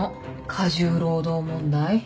過重労働問題？